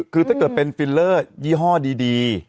คือถ้าเกิดเป็นฟิลเลอร์ยี่ห้อดี